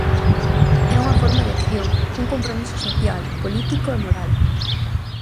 "É unha forma de acción, un compromiso social, político e moral".